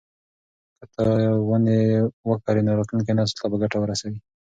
که ته ونې وکرې نو راتلونکي نسل ته به ګټه ورسوي.